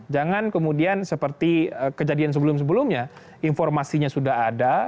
jangan kemudian seperti kejadian sebelum sebelumnya informasinya sudah ada